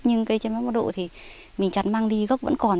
nhưng cây chai măng bắt độ thì mình chặt măng đi gốc vẫn còn